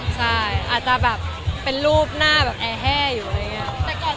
ใช่อาจจะแบบเป็นรูปหน้าแบบแอร์แห้อยู่อะไรอย่างนี้